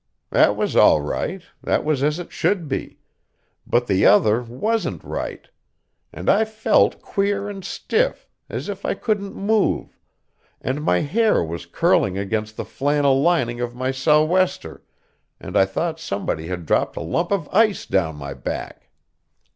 That was all right, that was as it should be; but the other wasn't right; and I felt queer and stiff, as if I couldn't move, and my hair was curling against the flannel lining of my sou'wester, and I thought somebody had dropped a lump of ice down my back.